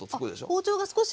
包丁が少し今。